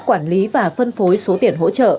quản lý và phân phối số tiền hỗ trợ